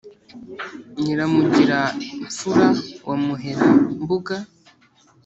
nyiramugira-mfura wa muhera-mbuga